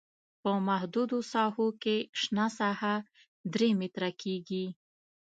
په محدودو ساحو کې شنه ساحه درې متره کیږي